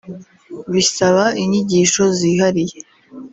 bisaba inyigisho zihariye